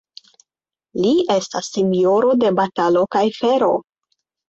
Li estas sinjoro de batalo kaj fero.